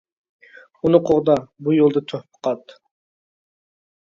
ئۇنى قوغدا، بۇ يولدا تۆھپە قات!